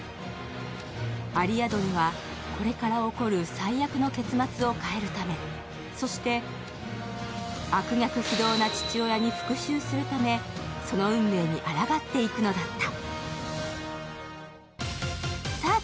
アリアドネは、これから起こる最悪の結末を変えるためそして悪逆非道な父親に復しゅうするためその運命にあらがっていくのだった。